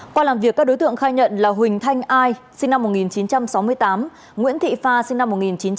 qua làm việc các đối tượng khai nhận là huỳnh thanh ai sinh năm một nghìn chín trăm sáu mươi tám nguyễn thị pha sinh năm một nghìn chín trăm tám mươi